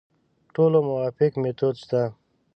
ټولو موافق میتود شته.